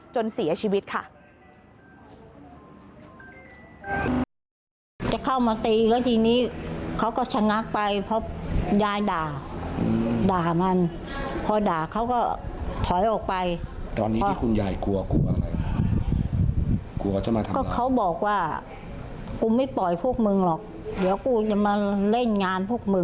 จนเสียชีวิตค่ะ